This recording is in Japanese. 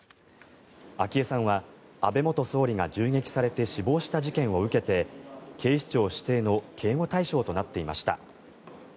昭恵さんは安倍元総理が銃撃されて死亡した事件を受けて警視庁指定の警護対象となっていました。